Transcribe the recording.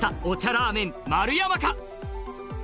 ラーメン丸山か？